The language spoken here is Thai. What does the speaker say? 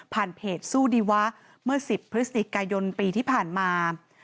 เพจสู้ดีวะเมื่อ๑๐พฤศจิกายนปีที่ผ่านมา